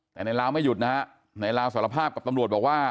แต่ในลาวไม่หยุดนะฮะในลาวสารภาพกับตำรวจบอกว่า